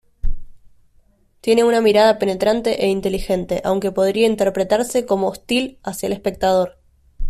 Tiene una mirada penetrante e inteligente, aunque podría interpretarse como hostil hacia el espectador.